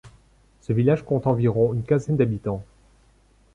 Ce village compte environ une quinzaine d'habitants.